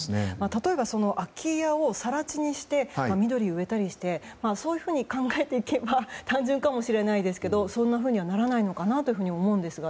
例えば空き家を更地にして緑を植えたりしてそういうふうに考えていけば単純かもしれないけどそんなふうにはならないと思うんですが。